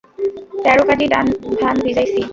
ত্যারো কাডি ধান ভিজাইছি।